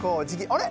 あれ？